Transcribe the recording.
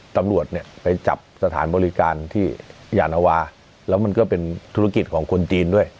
ตำรวจเนี่ยไปจับสถานบริการที่ยานวาแล้วมันก็เป็นธุรกิจของคนจีนด้วย